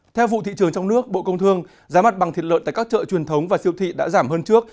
theo vụ thị trường trong nước bộ công thương giá mặt bằng thịt lợn tại các chợ truyền thống và siêu thị đã giảm hơn trước